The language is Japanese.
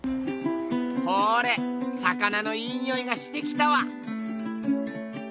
ほれ魚のイイにおいがしてきたわ！